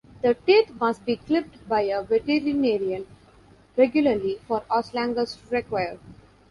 The teeth must be clipped by a veterinarian regularly for as long as required.